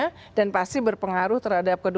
karena mengeras pasti akan mempengaruhi ketidak kompaknya